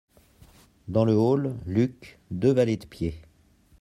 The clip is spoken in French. Dans le hall, Luc, deux valets de pied.